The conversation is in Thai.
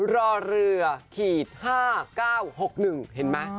รอเรือ๕๙๖๑เห็นมั้ย